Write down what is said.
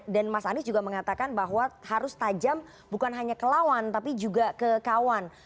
dan mas anies juga mengatakan bahwa harus tajam bukan hanya ke lawan tapi juga ke kawan